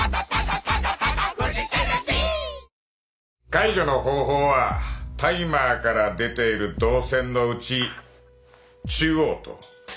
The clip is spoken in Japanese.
解除の方法はタイマーから出ている導線のうち中央と右を切れ。